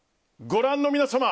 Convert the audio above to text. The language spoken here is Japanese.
ご覧の皆様